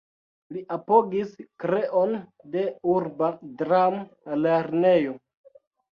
Li apogis kreon de Urba Dram-Lernejo.